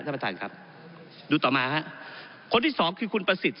ท่านประธานครับดูต่อมาฮะคนที่สองคือคุณประสิทธิ